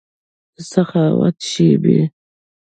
دسخاوت شیبې